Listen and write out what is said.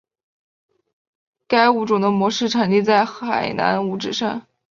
该物种的模式产地在海南五指山。